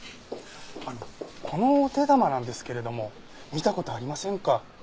あのこのお手玉なんですけれども見た事ありませんか？